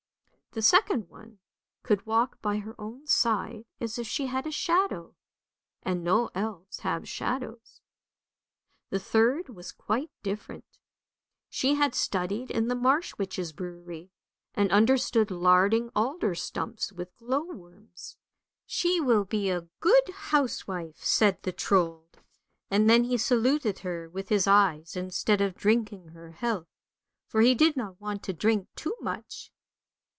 The second one could walk by her own side as if she had a shadow, and no elves have shadows. The third was quite different; she had studied in the marsh witches' brewery, and understood larding alder stumps with glow worms. " She will be a good housewife," said the Trold, and then THE ELF HILL 57 he saluted her with his eyes instead of drinking her health, for he did not want to drink too much.